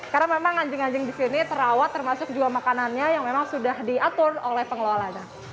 karena memang anjing anjing di sini terawat termasuk juga makanannya yang memang sudah diatur oleh pengelola